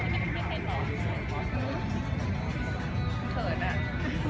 แม่กับผู้วิทยาลัย